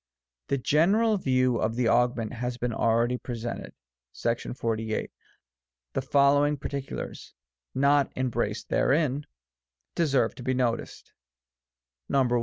A general view of the Augment has been already presented (§48). The following particulars, not em braced therein, deserve to be noticed : I.